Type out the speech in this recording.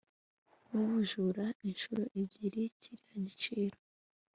nubujura inshuro ebyiri kiriya giciro